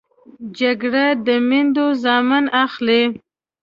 جګړه د میندو زامن اخلي